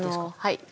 はい。